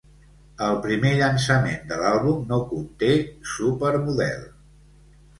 El primer llançament de l'àlbum no conté "Supermodel".